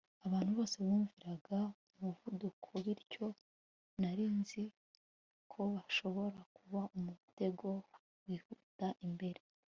Abantu bose bumviraga umuvuduko bityo nari nzi ko hashobora kuba umutego wihuta imbere